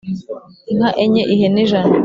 inka enye ihene ijana